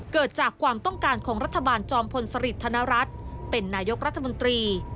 เกิดจากความต้องการของรัฐบาลจอมพลสริทธนรัฐเป็นนายกรัฐมนตรี